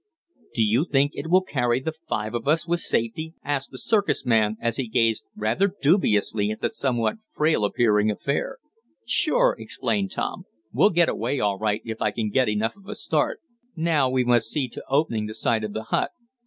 "Do you think it will carry the five of us with safety?" asked the circus man, as he gazed rather dubiously at the somewhat frail appearing affair. "Sure!" exclaimed Tom. "We'll get away all right if I can get enough of a start. Now we must see to opening the side of the hut."